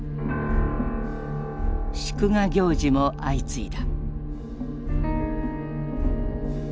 祝賀行事も相次いだ。